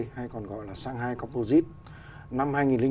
hay còn gọi là shanghai composite